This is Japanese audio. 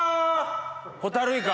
ホタルイカ。